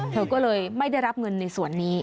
เธอก็เลยไม่ได้รับเงินในส่วนนี้